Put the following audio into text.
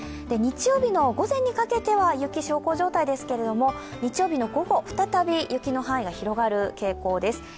日曜日の午前にかけては、雪、小康状態ですけど日曜日の午後、再び雪の範囲が広がる傾向です。